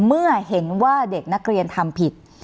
เมื่อเห็นว่าเด็กนักเรียนทำผิด